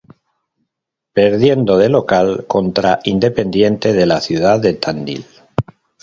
Perdiendo de local contra Independiente, de la ciudad de Tandil.